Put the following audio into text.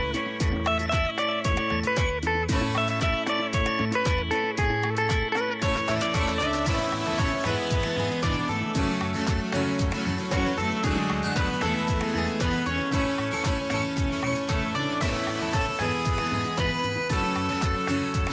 การท่องเที่ยวเดินทางรวมไปถึงสุขภาพร่างกายถือว่าเป็นสิ่งสำคัญเลยทีเดียวนะครับ